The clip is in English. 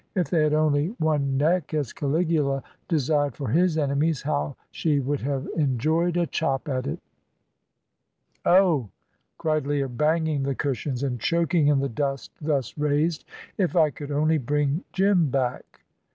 If they had only one neck, as Caligula desired for his enemies, how she would have enjoyed a chop at it! "Oh!" cried Leah, banging the cushions and choking in the dust thus raised "if I could only bring Jim back!"